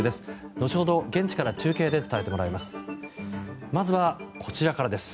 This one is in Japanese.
後ほど現地から中継で伝えてもらいます。